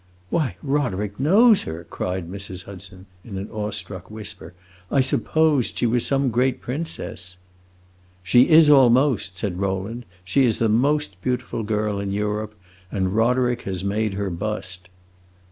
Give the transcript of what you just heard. "Why, Roderick knows her!" cried Mrs. Hudson, in an awe struck whisper. "I supposed she was some great princess." "She is almost!" said Rowland. "She is the most beautiful girl in Europe, and Roderick has made her bust."